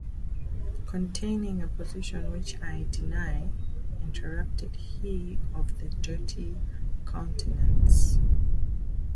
‘Containing a position which I deny,’ interrupted he of the dirty countenance.